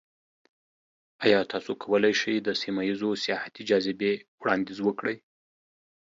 ایا تاسو کولی شئ د سیمه ایزو سیاحتي جاذبې وړاندیز وکړئ؟